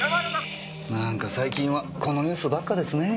何か最近はこのニュースばっかですね。